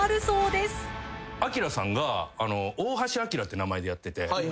アキラさんが。って名前でやってて。